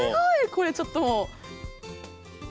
これちょっともう。